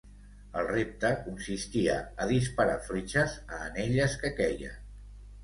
El repte consistia a disparar fletxes a anelles que queien.